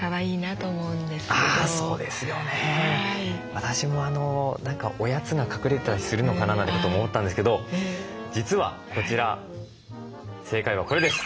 私も何かおやつが隠れてたりするのかななんてことも思ったんですけど実はこちら正解はこれです！